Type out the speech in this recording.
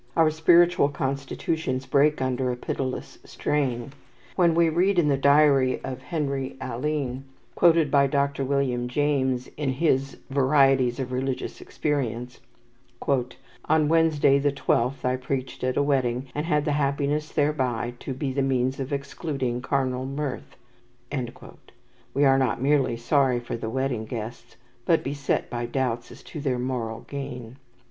Our spiritual constitutions break under a pitiless strain. When we read in the diary of Henry Alline, quoted by Dr. William James in his "Varieties of Religious Experience," "On Wednesday the twelfth I preached at a wedding, and had the happiness thereby to be the means of excluding carnal mirth," we are not merely sorry for the wedding guests, but beset by doubts as to their moral gain.